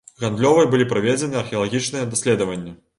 Гандлёвай былі праведзены археалагічныя даследаванні.